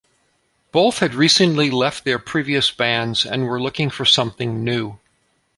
Both had recently left their previous bands and were looking for something new.